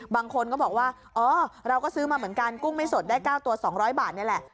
บางคนก็บอกว่าอ๋อเราก็ซื้อมาเหมือนกันกุ้งไม่สดได้๙ตัว๒๐๐บาทนี่แหละ